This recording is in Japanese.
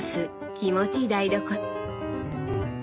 気持ちいい台所。